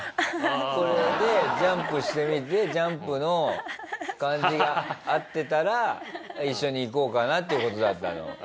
あっこれでジャンプしてみてジャンプの感じが合ってたら一緒に行こうかなっていう事だったの。